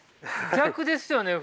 逆ですよね？